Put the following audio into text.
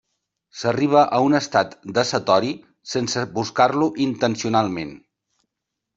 S'arriba a un estat de satori sense buscar-lo intencionalment.